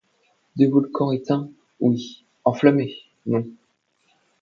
Des volcans éteints, oui ; enflammés, non.